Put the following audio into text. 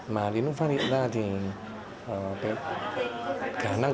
mà đến phát hiện ra thì khả năng